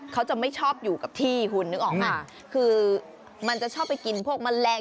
เขาจะไม่ชอบอยู่กับที่คุณนึกออกไหมคือมันจะชอบไปกินพวกแมลง